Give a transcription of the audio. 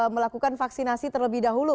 melakukan vaksinasi terlebih dahulu